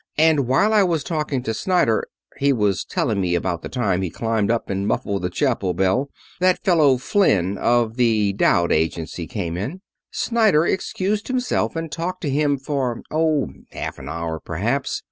And while I was talking to Snyder he was telling me about the time he climbed up and muffled the chapel bell that fellow Flynn, of the Dowd Agency, came in. Snyder excused himself, and talked to him for oh, half an hour, perhaps.